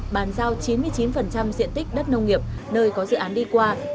bàn giao chín mươi chín diện tích đất nông nghiệp nơi có dự án đi qua